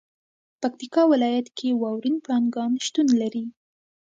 پکتیکا ولایت کې واورین پړانګان شتون لري.